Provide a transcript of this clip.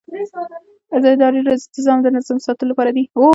اداري نظام د نظم ساتلو لپاره دی.